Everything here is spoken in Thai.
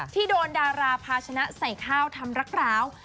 ที่โดนดาราภาชนะใส่ข้าวทำรักร้าว